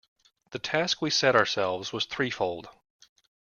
The task we set ourselves was threefold.